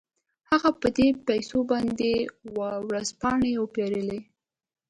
هغه په دې پيسو باندې ورځپاڼې وپېرلې.